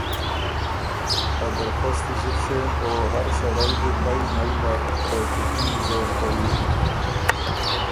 ا درخوستي زُت سېن او هر سړئ بُو پئ مئ نر ته چُوټي زور کوی۔